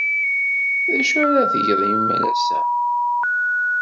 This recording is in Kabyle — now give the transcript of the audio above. D acu ara tgeḍ imalas-a?